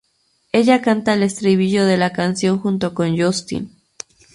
Ella canta el estribillo de la canción junto con Justin.